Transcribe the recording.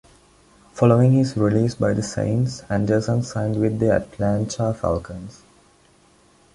Following his release by the Saints, Andersen signed with the Atlanta Falcons.